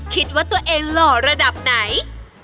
คิดว่าตัวเองหล่อระดับไหน